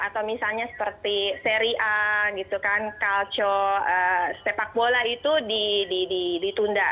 atau misalnya seperti seri a kalco sepak bola itu ditunda